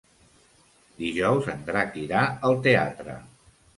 Dijous en Drac irà al teatre.